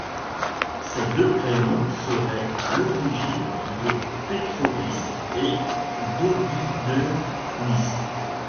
Ces deux prénoms seraient à l'origine de Petrovice et d'Obidenice.